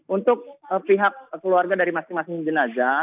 untuk pihak keluarga dari masing masing jenazah